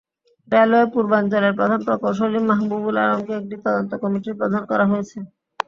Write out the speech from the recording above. Railway পূর্বাঞ্চলের প্রধান প্রকৌশলী মাহবুবুল আলমকে একটি তদন্ত কমিটির প্রধান করা হয়েছে।